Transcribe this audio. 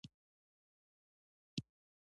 کابل د افغانستان د تکنالوژۍ پرمختګ سره تړاو لري.